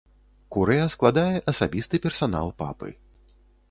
Курыя складае асабісты персанал папы.